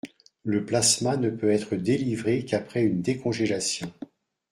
Le plasma ne peut être délivré qu’après une décongélation.